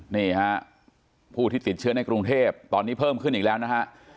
นี่ฮะผู้ที่ติดเชื้อในกรุงเทพตอนนี้เพิ่มขึ้นอีกแล้วนะฮะ